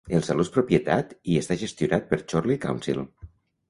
El saló és propietat i està gestionat per Chorley Council.